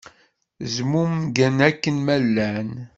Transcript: Zmumgen akken ma llan.